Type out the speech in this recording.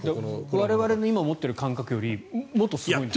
我々の今思っている感覚よりもっとすごい。